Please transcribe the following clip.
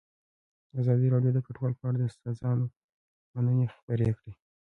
ازادي راډیو د کډوال په اړه د استادانو شننې خپرې کړي.